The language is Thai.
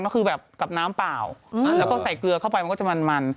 ก็คือแบบกับน้ำเปล่าแล้วก็ใส่เกลือเข้าไปมันก็จะมัน